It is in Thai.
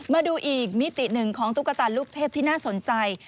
มาดูอีกมิติหนึ่งของตุ๊กตาลูกเทพที่น่าสนใจ